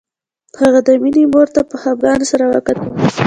هغه د مينې مور ته په خپګان سره وکتل